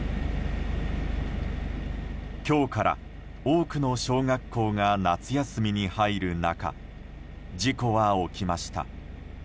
今日から多くの小学校が夏休みに入る中事故は起きました。